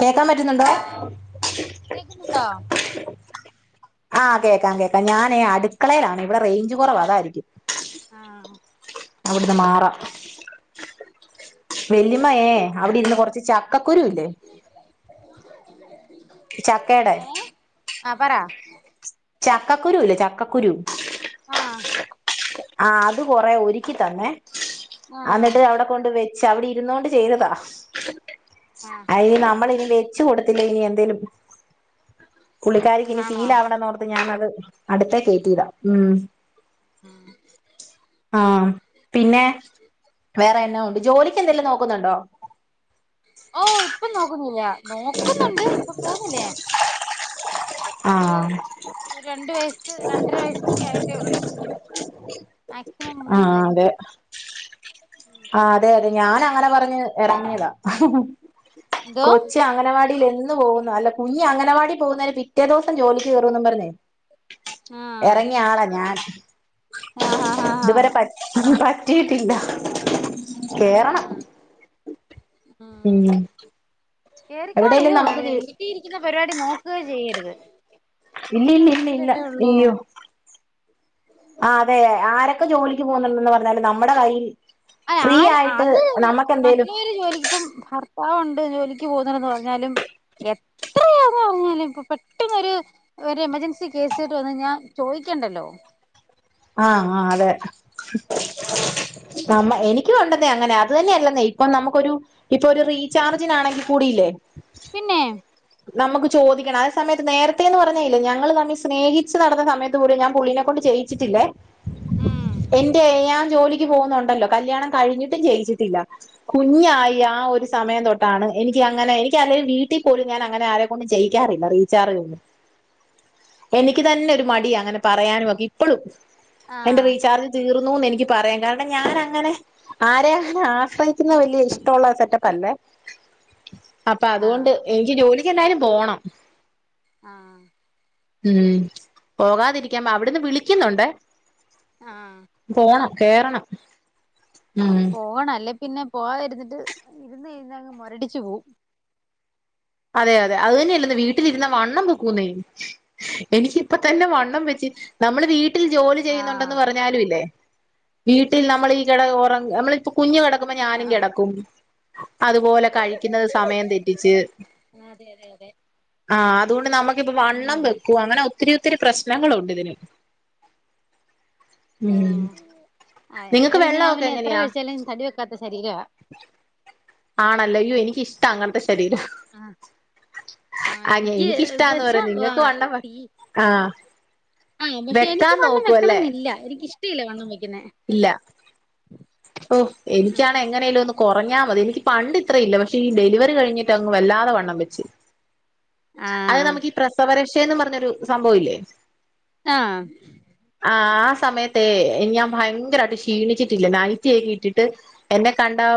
കേക്കാൻ പറ്റുന്നുണ്ടോ? കേക്കുന്നുണ്ടോ ആ കേക്കാം കേക്കാം ഞാനേ ഏ അടുക്കളേലാണ് ഇവിടെ റേഞ്ച് കൊറവ അതാരിക്കും. ആ അവിടുന്ന് മാറാം. വെല്ലിമ്മയേ അവിടിരുന്ന് കൊറച്ച് ചക്കക്കുരു ഇല്ലേ [unintelligible] ചക്കേടെ ആ പറ ചക്കക്കുരു ഇല്ലേ ചക്കക്കുരു ആഹ് ആ അത് കൊറെ ഒരുക്കി തന്നെ ആഹ് എന്നിട്ട് അവിടെ വെച്ച് അവിടെ ഇരുന്നോണ്ട് ചെയ്തതാ ആഹ് ആഹ് അത് ആഹ് നമ്മള ആഹ് ഇ വച്ച് കൊടുത്തില്ലേ ഇനി എന്തേലും പുള്ളിക്കാരിക്ക് ഇനി ആണോ ഫീൽ ആവണെന്നോർത്ത് ഞാനത് അടുത്തേ കേയറ്റീല്ലാ ഉം ആ പിന്നെ വേറെ എന്നാ ജോലിക്കെന്തെല്ലും നോക്കുന്നുണ്ടോ ഓ ഇപ്പൊ നോക്കുന്നില്ല നോക്കുന്നുണ്ട് ഇപ്പൊ പോകുന്നില്ല ഞാൻ ആ ഒരു രണ്ട് വയസ്സ് രണ്ടര വയസ്സൊക്കെ ആയിട്ടേ ഉള്ളു [inaudible] മാക്സിമം ആ മൂന്ന് വയസ്സ് അതെ ആ അതെ അതെ ഞാൻ അങ്ങനെ പറഞ്ഞ് ഇറങ്ങിയതാ എന്തോ കൊച്ച് അംഗനവാടിലർന്നു പോകുന്നു അല്ല കുഞ്ഞ് അങ്ങനവാടി പോകുന്നതിന്റെ പിറ്റേ ദിവസം ജോലിക്ക് കയറുന്നും പറഞ്ഞേ ആഹ് ഇറങ്ങിയ ആളാ ഞാൻ ആഹ് ആഹ് ആഹ് ഇതുവരെ പഠി പറ്റിയിട്ടില്ല കേറണം അഹ ഉം എവിടെലും കേറിക്കോണയ്യോ നമുക്ക് ജി വീട്ടിയിരിക്കുന്ന പരിപാടി നോക്കുകേ ചെയ്യരുത് ഇല്ല ജോലി ഇല്ല ഇല്ല ഇല്ല ഉണ്ടെങ്കിലല്ലേ ഉള്ളൂ അയ്യോ ആ അതെ ആരൊക്കെ ജോലിക്ക് പോകുന്നുണ്ടന്ന് പറഞ്ഞാലും നമ്മുടെ കയ്യിൽ അത് ഫ്രീ ആര് ആഹ് ആയിട്ട് അത് നമുക്ക് എന്തേലും മറ്റെവര് ജോലിക്ക് ഇപ്പം ഭർത്താവൊണ്ട് ജോലിക്ക് പോവുന്നൊണ്ടന്ന് പറഞ്ഞാലും എത്ര വേഗന്ന് പറഞ്ഞാലും ഇപ്പൊ പെട്ടെന്നൊരു ഒരു എമർജൻസി കേസ് കെട്ട് വന്ന് കഴിഞ്ഞ ചോയ്ക്കണ്ടല്ലോ ആഹ് ആഹ് അതെ നമ്മ എനിക്കും ഒണ്ടന്നെ അങ്ങനെ അത് തന്നെയല്ലന്നേ ഇപ്പൊ നമ്മക്കൊരു ഇപ്പൊരു റീചാർജിനാണെങ്കി കൂടിയില്ലേ പിന്നേ നമ്മക്ക് ചോദിക്കണം അത് സമയത്ത് നേരത്തേന്ന് പറഞ്ഞാ ഇല്ലേ ഞങ്ങള് തമ്മി സ്നേഹിച്ചു നടന്ന സമയ ത്ത് പോലും ഞാൻ പുള്ളിനെ കൊണ്ട് ചെയ്യിച്ചിട്ടില്ലേ എന്റെ ഞാൻ ജോലി ക്ക് പോകുന്നുണ്ടല്ലോ കല്യാണം കഴിഞ്ഞിട്ടും ചെയ്യിച്ചിട്ടില്ല കുഞ്ഞായി ആ ഒരു സമയം തൊട്ടാണ് എനിക്ക് അങ്ങനെ എനിക്ക് അല്ലെങ്കി വീട്ടീ പോലും ഞാനങ്ങനെ ആരെക്കൊണ്ടും ചെയ്യിക്കാറില്ല റീചാർജൊന്നും എനിക്ക് തന്നെ ഒരു മടിയ അങ്ങനെ പറയാനു ഒക്കെ ഇപ്പളും എന്റെ ആഹ് റീചാർജ് തീർന്നൂന്ന് എനിക്ക് പറയാം കാരണം ഞാനങ്ങനെ ആരെയും ആശ്രയിക്കുന്നെ വല്ല്യ ഇഷ്ട്ടവൊള്ള സെറ്റപ്പല്ലേ അപ്പ ആഹ് അതുകൊണ്ട് എനിക്ക് ജോലിക്കെന്നായാലും പോണം ആഹ് ഉം പോകാതിരിക്കുമ്പ അവിടെന്ന് വിളിക്കുന്നൊണ്ട് ആഹ് പോണം കേറണം ഇം പോണം അല്ലെ പിന്നെ പോവാതിരുന്നിട്ട് ഇരുന്ന് പിന്നങ്ങ് മൊരടിച്ചു പോവും അതെ അതെ അത് തന്നെയല്ലന്നെ വീട്ടിലിരുന്ന വണ്ണം വെക്കൂന്നെ എനിക്കിപ്പ തന്നെ വണ്ണം വെച്ച് നമ്മള് വീ ട്ടിൽ ജോലി ആഹ് ചെയ്യുന്നുണ്ടന്ന് പറഞ്ഞാലും ഇല്ലേ വീട്ടിൽ നമ്മളീ കെട ഒറങ്ങി നമ്മളിപ്പൊ കുഞ്ഞ് കെടക്കുമ്പോ ഞാനും ആഹ് കെടക്കും അതുപോലെ കഴിക്കുന്നത് സമയം തെറ്റിച്ച് ആഹ് അതെ അതെ അതെ ആഹ് അതുകൊണ്ട് നമ്മക്കിപ്പോ വണ്ണം ഉം വെക്കുവാ അങ്ങനെ ഒത്തിരി ഒത്തിരി പ്രശ്നങ്ങളുണ്ടിതിന് ആഹ് അഹ് നിങ്ങക്ക് എന്റെ പിന്നെ ഞാൻ വെള്ളമൊക്കെ പിന്നെ എത്ര എങ്ങനെയാ കഴിച്ചാലും തടി വെക്കാത്ത ശരിരവാ ആണല്ലെ ഇയ്യോ എനിക്കിഷ്ട്ടാ അങ്ങനത്തെ ശരീരം ആഹ് ആഹ് ഞ എനിക്ക് ഇപ്പ എനിക്കിഷ്ട്ടാന്ന് വെച്ചാ പറയുന്നെ നിങ്ങക്ക് വണ്ണം വെ ആഹ് ആഹ് പക്ഷെ എനിക്ക് വണ്ണം അല്ലേ വെക്കണംന്നില്ല എനിക്ക് ഇഷ്ട്ടില്ല വണ്ണം വെക്ക്ന്നെ ഇല്ല ഓഹ് ഉം എനിക്കാണെ എങ്ങനേലും ഒന്ന് കൊറഞ്ഞാ മതി എനിക്ക് പണ്ട് ഇത്ര ഇല്ല പക്ഷെ ഈ ഡെലിവറി കഴിഞ്ഞിട്ട് അങ്ങ് വല്ലാത വണ്ണം വെച്ച് ആ അത് നമുക്ക് ഈ പ്രസവരക്ഷേന്നും പറഞ്ഞൊരു സംഭവം ഇല്ലേ ആഹ് ആഹ് ആ സമയത്തേ ഞാൻ ഭയങ്കരായിട്ട് ക്ഷീണിച്ചിട്ടില്ലന്നെ നൈ റ്റിയെക്ക ഇട്ടിട്ട് എന്നെ കണ്ടാ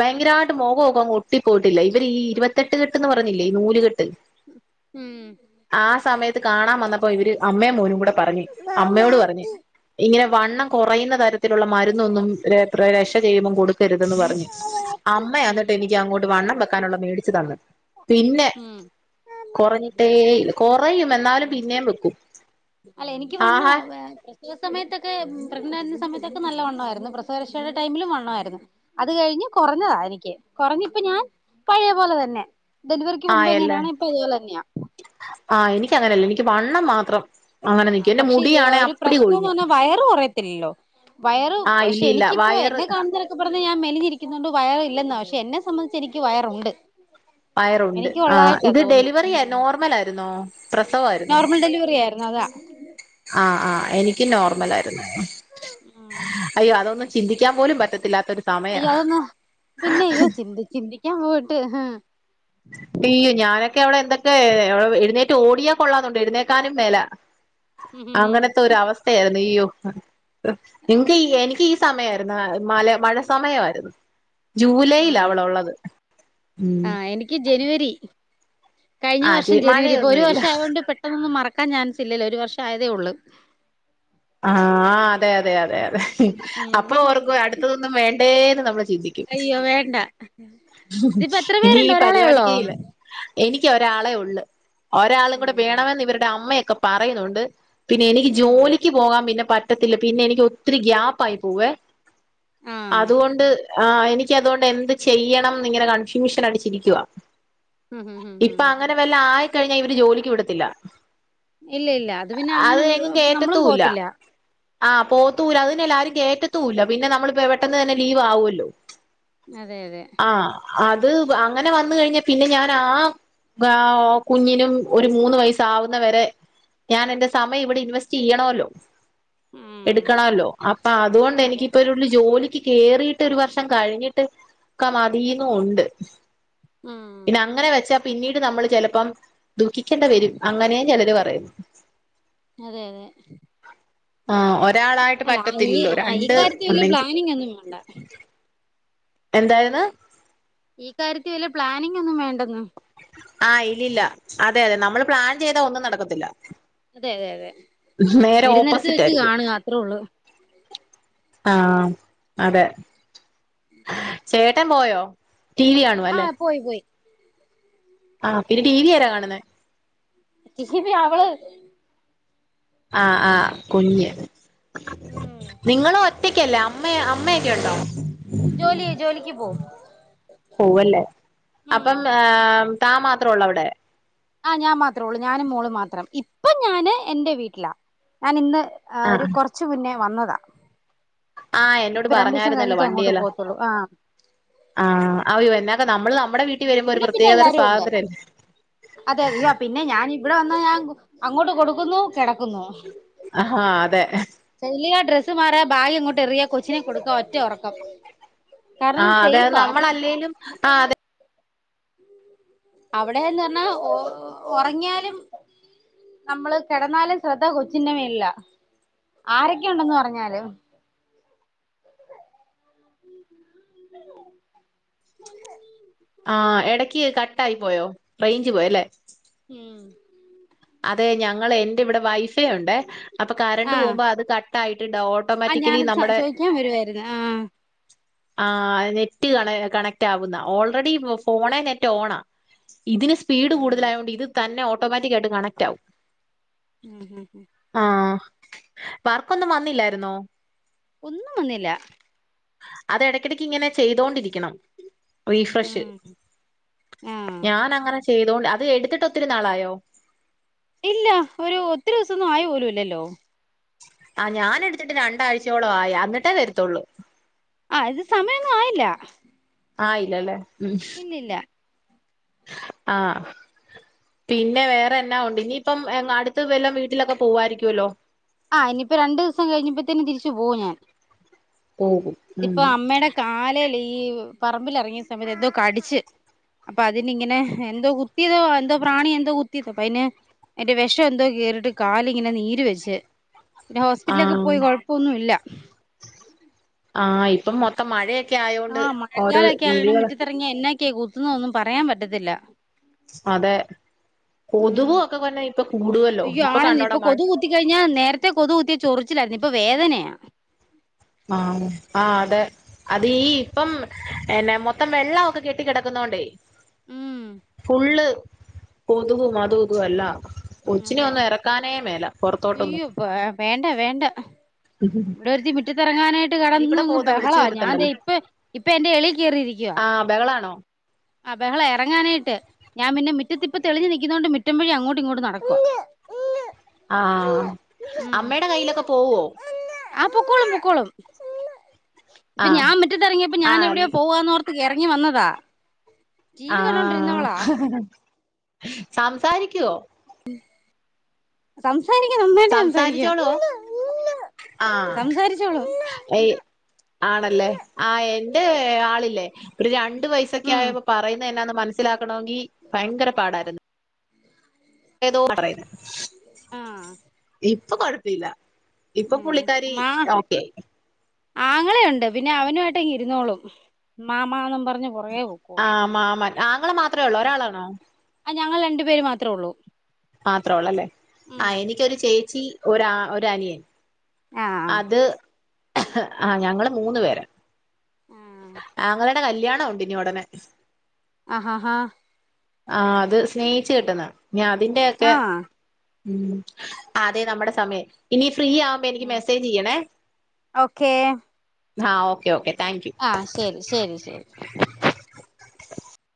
ഭയങ്കരായിട്ട് മൊഖോക്കെ ഒട്ടിപ്പോയിട്ടില്ലെ ഇവര് ഈ ഇരുപത്തെട്ട് കെട്ടന്ന് പറഞ്ഞില്ലേ ഈ നൂല്കെട്ട് ഉം ആ സമയത്ത് കാണാൻ വന്നപ്പോ ഇവര് അമ്മേം മോനും കൂടെ പറഞ്ഞ് അമ്മയോട് പറഞ്ഞ് ഇങ്ങനെ വണ്ണം കൊറയുന്ന തരത്തിലുള്ള മരുന്നൊന്നും ര പ്ര രക്ഷ ചെയ്യുമ്പോം കൊടുക്കരുതെന്ന് പറഞ്ഞ് അമ്മ ഉം അന്നിട്ട് എനിക്ക് അങ്ങോട്ട് വണ്ണം വെക്കാനൊള്ള മേടിച്ച് തന്ന് പിന്നെ ഉം കൊറഞ്ഞിട്ടേ ഇല്ല കൊറയും എന്നാലും ഉം പിന്നേം വെക്കും അല്ല എനിക്ക് ആഹാ വണ്ണവാ വേ പ്രസവ സമയത്തൊക്കെ പ്രഗ്നൻറ് ആയിരുന്ന സമയത്തൊക്കെ നല്ലവണ്ണമായിയിരുന്നു പ്രസവരഷയുടെ ടൈമിലും വണ്ണം ആയിരുന്നു അത് കഴിഞ്ഞ് കുറഞ്ഞതാ എനിക്ക് കുറഞ്ഞിപ്പം ഞാൻ പഴയ പോലെ തന്നെ ഡെലിവറിക്ക് മുമ്പ് ആയല്ലേ എങ്ങനെയാണോ ഇപ്പ അതുപോലെ തന്നയാ ആഹ് എനിക്ക് അങ്ങനെയല്ല എനിക്ക് വണ്ണം മാത്രം അങ്ങനെ നിക്കും ആഹ് എന്റെ പക്ഷെ മുടിയാണെ ഒരു അപ്പടി പ്രശ്നന്ന് കൊഴിഞ്ഞ് പറഞ്ഞാ വയറ് കുറയത്തില്ലല്ലോ വയറ് ആഹ് ഇല്ല പക്ഷേ ഇല്ല എനിക്കിപ്പം വയറ് എന്നെ കാണു പറഞ്ഞ് ഞാൻ മെലിഞ്ഞിരിക്കുന്നു കൊണ്ട് വയറ് ഇല്ലാന്നാ പക്ഷെ എന്നെ സംബന്ധിച്ച എനിക്ക് വയറുണ്ട് വയറുണ്ട് എനിക്ക് ആഹ് ഉള്ളതായിട്ടാ ഇത് തോന്നുന്നേ ഡെലിവറി നോർമൽ ആയിരുന്നോ പ്രസവമായിരുന്നു നോർമൽ ഡെലിവറി ആയിരുന്നു അതാ ആഹ് ആഹ് എനിക്കും നോർമല് ആയിരുന്നു ഉം അയ്യോ അതൊന്നും ചിന്തിക്കാൻ പോലും പറ്റത്തില്ലാത്ത ഒരു അയ്യോ അതൊന്നാ പിന്നെ അയ്യോ ചിന്ത ചിന്തിക്കാൻ പോയിട്ട് ഉം അയ്യോ ഞാനൊക്കെ അവിടെ എന്തൊക്കെ എഴുന്നേറ്റ് ഓടിയാ കൊള്ളാന്നുണ്ട് എഴുന്നേക്കാനും മേലാ അങ്ങനത്തെ ഒരു അവസ്ഥയായിരുന്നു ഈയോ എനിക്ക് ഈ എനിക്ക് ഈ സമയമായിരുന്നു മല മഴ സമയായിരുന്നു ജൂലൈയില ഉം അവള് ഉള്ളത് ഉം ക്ക് ജനുവരി കഴിഞ്ഞ ആ ചേ വർഷം ജനുവരി ഇപ്പൊ ഒരു മഴയൊന്നുമില്ല വർഷം ആയത് കൊണ്ട് പെ ട്ടൊന്നോന്നും മറക്കാൻ ചാൻസ് ഇല്ലലോ ഒരു വർഷം ആയതേ ഉള്ളൂ ആഹ് അതെ അതെ അതെ അതെ അപ്പൊ ഉം ഓർക്കും അടുത്തതൊന്നും വേണ്ടേന്ന് നമ്മള് ചിന്തിക്കും അയ്യോ വേണ്ട ഇതിപ്പോ എത്ര ഇനി പേരുണ്ട് ഈ ഒരാളെ ഉള്ളോ പരിപാടിക്കെയില്ല എനിക്ക് ഒരാളെ ഉള്ള് ഒരാളും കൂടെ ഉം വേണമെന്ന് ഇവരുടെ അമ്മയൊക്കെ പറയുന്നുണ്ട് പിന്നെ എനിക്ക് ഉം ജോലി പിന്നെ പറ്റത്തില്ല പിന്നെ എനിക്ക് ഒത്തിരി ഗ്യാപ്പായി പോവേ ആഹ് അതുകൊണ്ട് ആഹ് എനിക്ക് അതുകൊണ്ട് എന്ത് ചെയ്യണന്ന് ഇങ്ങനെ കൺഫ്യൂഷൻ അടിച്ചിരിക്കുവാ ഇപ്പൊ അങ്ങനെ വല്ല ആയിക്കഴിഞ്ഞാ ഇവര് ജോലിക്ക് വിടത്തില്ല ഇല്ല ഇല്ല അത് പിന്നെ അങ്ങനെ നമ്മളും പോവത്തില്ല ആഹ് പോവത്തൂല്ല അത് തന്നെ ആരും കേയറ്റത്തൂല്ല പിന്നെ നമ്മളിപ്പോ പെട്ടെന്ന് തന്നെ ലീവ് ആവുമല്ലോ [inaudible] അതെ അതെ ആഹ് അത് അങ്ങനെ വന്ന് കഴിഞ്ഞാ പിന്നെ ഞാൻ ആ ആ കുഞ്ഞിനും ഒരു മൂന്ന് വയസ്സ് ആവുന്നവരെ ഞാൻ എൻ്റെ സമയം ഇവിടെ ഇൻവെസ്റ്റ് ചെയ്യണമല്ലോ ഉം എടുക്കണല്ലോ അപ്പൊ അതുകൊണ്ട് എനിക്ക് അതെ ഇപ്പള്ള ജോലിക്ക് കേറിയിട്ട് ഒരു വർഷം കഴിഞ്ഞിട്ട് ഒക്ക മതീന്നുണ്ട് ഉം പിന്നെ അങ്ങനെ വെച്ചാ പിന്നീട് നമ്മൾ ചെലപ്പം ദുഃഖിക്കേണ്ടി വരും അങ്ങനെ ചെലർ പറയുന്നു അതെ അതെ ആ ഒരാളായിട്ട് പറ്റത്തില്ലല്ലോ രണ്ട് ഒന്നെങ്കി ഇക്ക് ഇനി ഒന്നും വേണ്ട എന്തായിരുന്നു ഈ കാര്യത്തി വെല്യേ പ്ലാനിങ് ഒന്നും വേണ്ടന്ന് ആഹ് ഇല്ലില്ല അതെ അതെ നമ്മൾ പ്ലാൻ ചെയ്താ ഒന്നും നടക്കത്തില്ല അതെ അതെ അതെ നേരെ വരുന്നരത്ത് ഓപ്പോസിറ്റ് വെച്ച് ആയിരിക്കും കാണുക അത്രേ ഉള്ളൂ ആഹ് അതെ ചേ ട്ടൻ പോയോ ടി വി കാണ് ആഹ് പോയി പോയി ആഹ് പിന്നെ ടി വി ആരാ കാണുന്നേ? [inaudible] ക്ക്‌ഞ്ഞി അവള് ആഹ് ആഹ് കുഞ് ഉം നിങ്ങള്ഒറ്റ- ഒറ്റക്കല്ലേ അമ്മ അമ്മയൊക്കെ ഉണ്ടോ ജോലി ആയി ജോലിക്ക് പോവും ഉം ആഹ് താ മാത്രഉള്ളൂ അവിടെ ആഹ് ഞാ മാത്രേ ഉള്ളൂ ഞാനും മോളും മാത്രം ഇപ്പ ഞാന് എന്റെ വീട്ടിലാ ഞാൻ ഇന്ന് ആ ഒരു ആഹ് കുറച്ചു മുന്നേ വന്നതാ ആ എന്നോട് ഇപ്പൊ രണ്ടു ദിവസം പറഞ്ഞായിരുന്നല്ലോ കഴിഞ്ഞിട്ട് അങ്ങോട്ട് വണ്ടിയല് പോകത്തുള്ളൂ ആഹ് ആഹ് അഎന്നക നമ്മള് നമ്മുടെ വീട്ടിൽ വരുമ്പോ ഒരു ഇവിടെ പിന്നെ പ്രത്യേകതര എല്ലാരും ഉണ്ട് സ്വാതന്ത്ര്യംല്ലേ അതെ അതെയോ പിന്നെ ഞാൻ ഇവിടെ വന്നാ ഞാൻ അങ്ങോട്ട് കൊടുക്കുന്നുകിടക്കുന്നു ആഹ അതെ റൂമിൽചെല്ലാ ഡ്രസ്സ് മാറ ഭാഗ് എങ്ങോട്ട് എറിയാ കൊച്ചിനെ കൊടുക്ക ഒറ്റ ഉറക്കം കാരണം ആഹ് അതെ അത് സൈഫാ നമ്മളല്ലേലും നമക്കൊര ആഹ് അതെ [unintelligible] അവിടെന്ന് പറഞ്ഞാ ഒ ഒറങ്ങിയാലും നമ്മള് കെടന്നാലും ശ്രദ്ധ കൊച്ചിന്റെ മേലിലല്ല ആരൊക്കെ ഉണ്ടെന്ന് പറഞ്ഞാലും ഉം ന്ന [unintelligible] [inaudible] ആഹ് എടക്ക് കട്ടായി പോയോ റൈഞ്ച് പോയല്ലെ ഉം അതെ ഞങ്ങള് എന്റെ ഇവിടെ വൈഫൈ ഉണ്ട് അപ്പൊ കറണ്ട് പോകുമ്പോ അത് കട്ടായിട്ടുണ്ടവോ ഓ അഹ് ഞാനത് ചോദിക്കാൻ വരുവായിരുന്നു ആഹ് ആഹ് നെറ്റ് കണ കണക്റ്റ് ആവുന്ന ഓൾറെഡി ഫോണെ നെറ്റ് ഓണാ ഇതിന് സ്പീഡ് ഉം കൂടുതലായതോണ്ട് ഇത് തന്നെ ഓട്ടോമാറ്റിക് ആയിട്ട് കണക്റ്റ് ആകും ഉം ഉം ഉം ആഹ് വർക്കൊന്നും വന്നില്ലായിര്ന്നോ ഒന്നും വന്നില്ല അത് എടക്കടക്ക് ഇങ്ങനെ ചെയ്തോണ്ടിരിക്കണം റീഫ്രഷ് ഉം ആഹ് ഞാന അങ്ങനെ ചെയ്തോണ്ട് അത് എടുത്തിട്ട് ഒത്തിരി നാളായോ ഇല്ല ഒരു ഒത്തിരി ദിവസൊന്നും ആയി പോലൂല്ലല്ലോ ആ ഞാന എടുത്തിട്ട് രണ്ടാഴ്ചയോളം ആയി അന്നട്ടേ വരുത്തുള്ളൂ ആഹ് ഇത് സമയൊന്നും ആയില്ല ആഹ് ഇല്ലല്ല ഉം ഇല്ല ഇല്ല ആഹ് പിന്നെ വേറെ എന്നാ ഉണ്ട് ഇനിയിപ്പം അടുത്ത് വല വീട്ടിലൊക്കെ പോവായിരിക്കുല്ലോ ആഹ് ഇനിപ്പ രണ്ട് ദിവസം കഴിഞ്ഞപ്പോതിന് തിരിച്ച് പോവും ഞാൻ ഒഹ് ഹോ ഇതിപ്പ അമ്മേടെ കാലേല് ഈ പറമ്പിലിറങ്ങിയ സമയത്ത് എന്തോ കടിച്ച് അപ്പൊ അതിന് ഇങ്ങനെ എന്തോ കുത്തിയതോ എന്തോ പ്രാണി എന്തോ കുത്തിയതോ അപ്പ അയിന് എന്റെ വെഷന്തോ കേറിട്ട് കാലിങ്ങനെ നീര് വെച്ച് പിന്നെ ഹോസ്പിറ്റലിലൊക്കെ പോയി കുഴപ്പമൊന്നുല്ല ആഹ് ഇപ്പം മൊത്തം മഴയക്കെ ആയൊണ്ട് ഓരോ ജീവികള് ഇനിഎന്നാക്കെ കുത്തുന്നൊന്നും പറയാൻ പറ്റത്തില്ല അതെ ഉം കൊതുവ ക്കെ കൊന്നെ ഇപ്പൊ കൂടുവല്ലോ അയ്യോ ഇപ്പൊ ആണെന്ന് കണ്ടോട മഴ കൊതു കുത്തി കഴിഞ്ഞാൽ നേരത്തെ കൊതു കുത്തിയ ചൊറിച്ചിലായിരുന്നു ഇപ്പൊ വേദനയാ ആണ് ആഹ് അതെ അത് ഈ ഇപ്പം എന്നാ മൊത്തം വെള്ളവൊക്കെ കെട്ടി കെടക്കുന്നോണ്ടേ ഉം ഫുള്ള് കൊത്കും അതും ഇതും എല്ലാം കൊച്ചിനെ അതെ ഒന്നും എറക്കാനേ മേല പൊറത്തോട്ടൊന്നും അയ്യോ ഇവിടെഒരുത്തി മിറ്റത്തിറങ്ങാനായിട്ട് കെടന്ന് അങ്ങ് വിളിച്ചു ബഹളവാ ഞാൻ ദേ വരുത്തണ്ടല്ലോ ഇപ്പ് ഇപ്പെ എന്റെ എളിൽ കേറിയിരിക്കുവാ ആഹ് ബഹളാണോ അഹ് ബഹള എറങ്ങാനായിട്ട് ഞാൻ പിന്നെ മിറ്റത്തിപ്പ തെളിഞ്ഞു നിക്കുന്നോണ്ട് മിറ്റം വഴി അങ്ങോട്ടും ഇങ്ങോട്ടും നടക്കും ആഹ് അമ്മേടെ കയ്യിലൊക്കെ പോവോ ആഹ് പൊക്കോളും പൊക്കോളും ഇപ്പ ആഹ് ഞാൻ മിറ്റത്തിറങ്ങിയപ്പോ ഞാൻ ആഹ് എവിടെയോ പോവാന്നോർ ത്ത് എറങ്ങി വന്നതാ ടി വി കണ്ടോണ്ടിരുന്നവളാ ആഹ് സംസാരിക്യുവോ ടിം സംസാരിക്കും നന്നായിട്ട് സംസാരിക്കും സംസാരിച്ചോളോ സംസാരിച്ചോളും ഏയ്‌ ആണല്ലേ ആഹ് എന്റെ ആളില്ലേ ഒരു രൺ രണ്ട് വയസൊക്കെ ഉം ആയപ്പോ പറയുന്നെ എന്നാന്ന് മനസ്സിലാക്കണോങ്കി ഭയങ്കര പാടായിര്ന്ന് ഏതോ ആ പറയ്ന്നെ ആ ഇപ്പൊ കൊഴപ്പില്ല ഇപ്പ ഉം പുള്ളിക്കാരി മാ ഓക്കെ ആയി ആങ്ങളയുണ്ട് പിന്നെ അവനുവായിട്ട് അങ്ങ് ഇരുന്നോളും മാമാന്നും പറഞ്ഞ് പൊറകെ പൊക്കോളും ആഹ് മാമാൻ ആങ്ങളമാത്രെ ഉള്ളൂ ഉം ഒരാളാണോ ആഹ് ഞങ്ങൾ രണ്ട് പേര് മാത്രേ ഒള്ളൂ മാത്ര ഒള്ളല്ലേ ആഹ് എനിക്കൊരു ചേച്ചി ഒരാ ഒര് അനിയൻ ആഹ് അത് ആഹ് ഞങ്ങള് മൂന്ന് പേരാ ണ്ടെ കല്യാണ ഒണ്ട് ഇഞ് ഒടനെ അഹ് ഹാ ഹാ ആഹ് അത് സ്നേഹിച്ചു കെട്ടുന്നതാ ഇഞ്ഞി അതിന്റെയെക്കെ ആഹ് ഉം അതേ നമ്മടെ സമയം ഇനി ഫ്രീ ആവ് മ്പൊ എനിക്ക് മെസേജ്യ്യണേ ഓക്കെ ആഹ് ഓക്കേ ഓക്കെ താങ്ക്യു ആഹ് ശരി ശരി ശരി [inaudible]